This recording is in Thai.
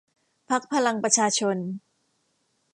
พรรคพลังประชาชน